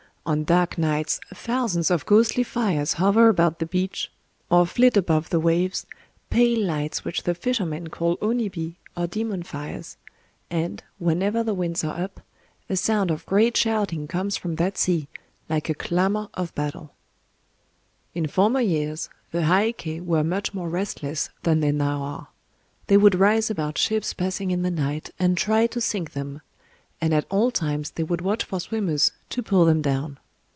On dark nights thousands of ghostly fires hover about the beach, or flit above the waves,—pale lights which the fishermen call Oni bi, or demon fires; and, whenever the winds are up, a sound of great shouting comes from that sea, like a clamor of battle. In former years the Heiké were much more restless than they now are. They would rise about ships passing in the night, and try to sink them; and at all times they would watch for swimmers, to pull them down.